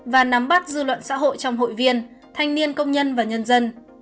và nắm bắt dư luận xã hội trong hội viên thanh niên công nhân và nhân dân